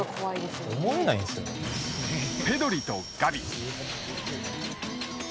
ペドリとガビ。